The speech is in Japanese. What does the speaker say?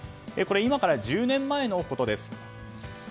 今から１０年前のことです。